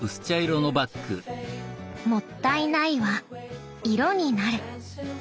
「もったいない」は色になる。